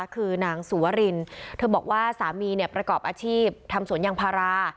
คือนางสุวรินเธอบอกว่าสามีเนี่ยประกอบอาชีพทำสวนยางพารา